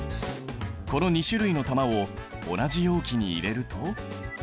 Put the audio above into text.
この２種類の玉を同じ容器に入れると。